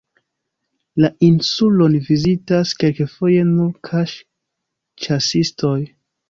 La insulon vizitas kelkfoje nur kaŝ-ĉasistoj.